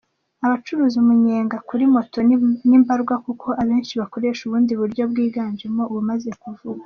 Abacuruza umunyenga kuri moto ni mbarwa kuko abenshi bakoresha ubundi buryo bwiganjemo ubumaze kuvugwa.